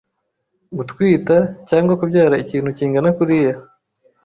gutwita cg kubyara ikintu kingana kuriya